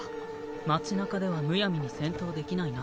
街なかではむやみに戦闘できないな。